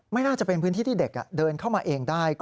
ไม่น่าจะเป็นพื้นที่ที่เด็กเดินเข้ามาเองได้